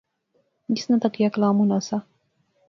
جس نا تکیہ کلام ہونا سا